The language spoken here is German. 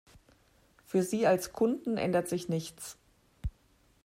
Für Sie als Kunden ändert sich nichts.